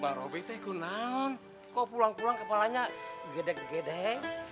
mbak robi teh kunang kok pulang pulang kepalanya gedeg gedeg